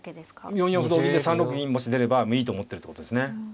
４四歩同銀で３六銀もし出ればいいと思ってるってことですね。